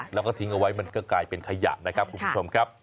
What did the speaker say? แล้วก็ทิ้งเอาไว้มันก็กลายเป็นขยะนะครับคุณผู้ชมครับ